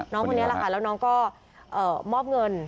น้องคนนี้แหละค่ะแล้วน้องก็มอบเงิน